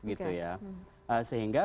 gitu ya sehingga